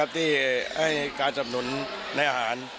ที่ให้การสำนุนในอาหาร